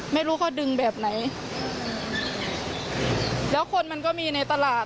ไม่รู้เขาดึงแบบไหนแล้วคนมันก็มีในตลาด